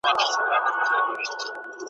د بلا مخ ته هغه وو پرې ایستلی .